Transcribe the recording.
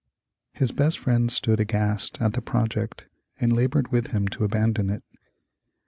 His best friends stood aghast at the project and labored with him to abandon it.